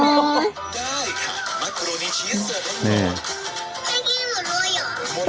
ให้กินหมดเลยหรอ